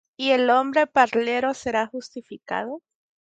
¿Y el hombre parlero será justificado?